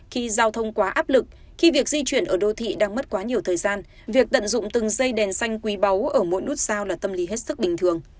khi giao thông quá áp lực khi việc di chuyển ở đô thị đang mất quá nhiều thời gian việc tận dụng từng dây đèn xanh quý báu ở mỗi nút sao là tâm lý hết sức bình thường